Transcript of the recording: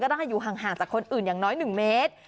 ต้องให้อยู่ห่างจากคนอื่นอย่างน้อย๑เมตร